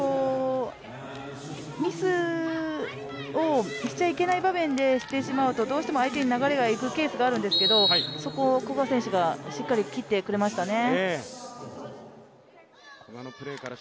ミスをしちゃいけない場面でしてしまうとどうしても相手に流れがいくケースがあるんですけども、そこを古賀選手がしっかり切ってくれましたね。